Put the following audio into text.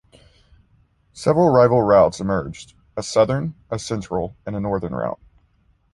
Several rival routes emerged: a southern, a central, and a northern route.